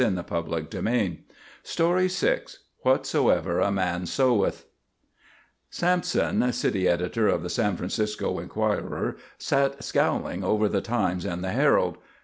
VI WHATSOEVER A MAN SOWETH VI WHATSOEVER A MAN SOWETH Sampson, city editor of the San Francisco Enquirer, sat scowling over the Times and the Herald.